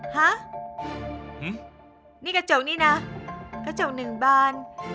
ฮะนี่กระจกนี่นะกระจกหนึ่งบาน